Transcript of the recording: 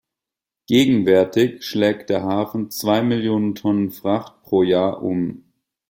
Gegenwärtig schlägt der Hafen zwei Millionen Tonnen Fracht pro Jahr um.